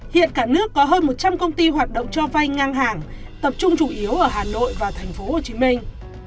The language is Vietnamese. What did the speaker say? hiện cả nước có hơn một trăm linh công ty hoạt động cho vay ngang hàng tập trung chủ yếu ở hà nội và thành phố hồ chí minh